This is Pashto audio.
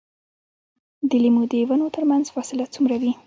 د لیمو د ونو ترمنځ فاصله څومره وي؟